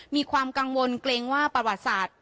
มีความกังวลเกรงว่าประวัติศาสตร์